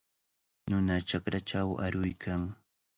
Nuna chakrachaw aruykan.